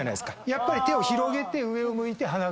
やっぱり手を広げて上を向いて鼻から。